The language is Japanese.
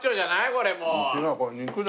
これもう。